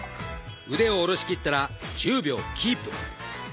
腕を下ろしきったら１０秒キープ。